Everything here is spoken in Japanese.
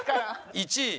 １位？